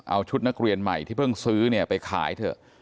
เอาชุดนักเรียนใหม่ที่เพิ่งซื้อเนี่ยไปขายเถอะ